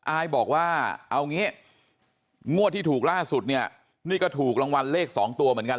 อายบอกว่าเอางี้งวดที่ถูกล่าสุดเนี่ยนี่ก็ถูกรางวัลเลข๒ตัวเหมือนกัน